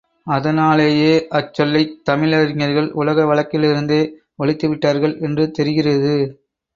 அதனாலேயே அச்சொல்லைத் தமிழ் அறிஞர்கள் உலக வழக்கிலிருந்தே ஒழித்துவிட்டார்கள் என்று தெரிகிறது.